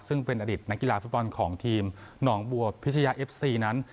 ซึ่งเป็นอดีตนักกีฬาฟุตบอลของทีมหนองบัวพิชยาเอฟซีนั้น